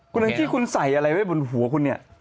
คุณแองจี้คุณใส่อะไรไว้บนหัวคุณเนี่ย